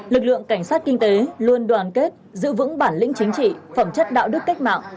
lực lượng cảnh sát kinh tế luôn đoàn kết giữ vững bản lĩnh chính trị phẩm chất đạo đức cách mạng